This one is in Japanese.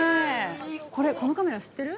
これ、このカメラ知ってる？